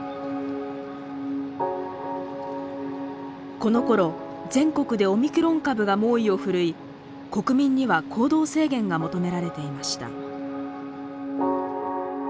このころ全国でオミクロン株が猛威を振るい国民には行動制限が求められていました。